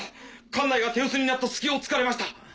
艦内が手うすになった隙をつかれました。